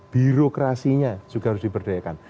birokrasinya juga harus diberdayakan